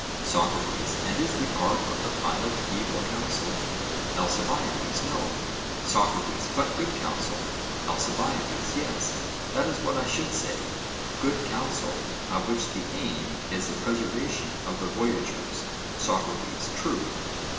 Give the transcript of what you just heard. SOCRATES: And is the art of the pilot evil counsel? ALCIBIADES: No. SOCRATES: But good counsel? ALCIBIADES: Yes, that is what I should say, good counsel, of which the aim is the preservation of the voyagers. SOCRATES: True.